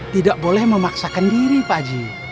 tidak boleh memaksakan diri pak aji